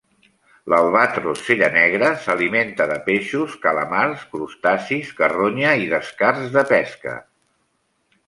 L'albatros cellanegre s'alimenta de peixos, calamars, crustacis, carronya, i descarts de pesca.